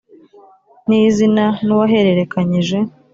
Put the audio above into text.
n izina n uwahererekanyije